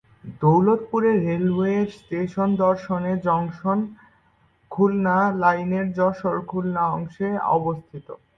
Daulatpur railway station Darshana জংশন-খুলনা লাইনের যশোর-খুলনা অংশে অবস্থিত।